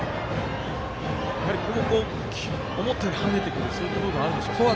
ここも思ったより跳ねてくる部分があるんでしょうか。